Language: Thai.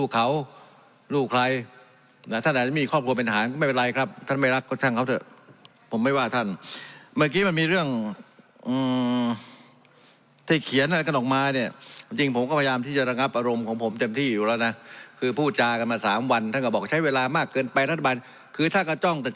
คือท่ากระจ้องแต่จะเล่นงานรัฐบาลเยอะเยอะไง